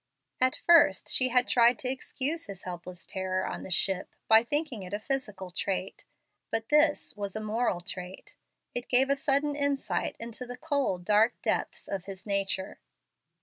At first she had tried to excuse his helpless terror on the ship by thinking it a physical trait; but this was a moral trait. It gave a sudden insight into the cold, dark depths of his nature.